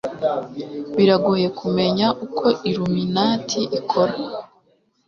biragoye kumenya uko iluminati ikora